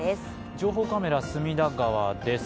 情報カメラ隅田川です。